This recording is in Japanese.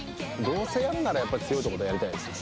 どうせやるなら強いところとやりたいです。